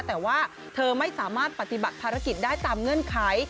แต่ว่าเธอไม่สามารถปฏิบัติภารกิจได้ตามเงื่อนไข